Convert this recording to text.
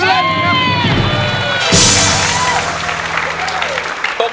เล่นครับ